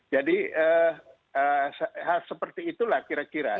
jadi seperti itulah kira kira